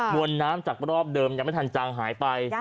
วนน้ำจากรอบเดิมยังไม่ทันจางหายไป